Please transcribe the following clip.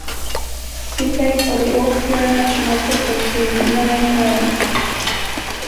He played for the Austria national football team nine times.